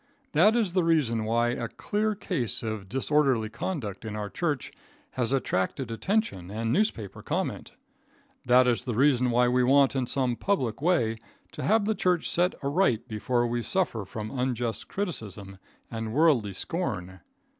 That is the reason why a clear case of disorderly conduct in our church has attracted attention and newspaper comment. That is the reason why we want in some public way to have the church set right before we suffer from unjust criticism and worldly scorn.